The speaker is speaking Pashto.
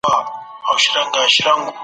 بزګران باید د نباتاتو ساتنه وکړي.